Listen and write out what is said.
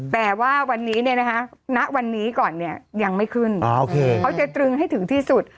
แต่ว่าวันนี้ณวันนี้ก่อนเนี่ยยังไม่ขึ้นเขาจะตรึงให้ถึงที่สุด